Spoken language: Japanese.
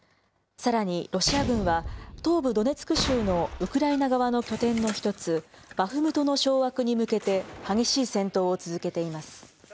さらにロシア軍は東部ドネツク州のウクライナ側の拠点の１つ、バフムトの掌握に向けて、激しい戦闘を続けています。